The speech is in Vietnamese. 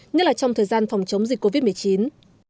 nhất là trong thời gian phòng chống dịch covid một mươi chín